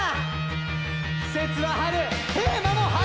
季節は春テーマも「春」。